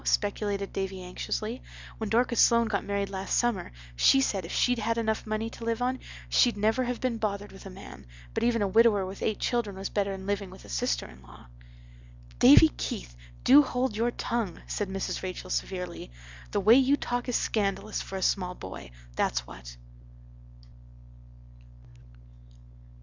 speculated Davy anxiously. "When Dorcas Sloane got married last summer she said if she'd had enough money to live on she'd never have been bothered with a man, but even a widower with eight children was better'n living with a sister in law." "Davy Keith, do hold your tongue," said Mrs. Rachel severely. "The way you talk is scandalous for a small boy, that's what."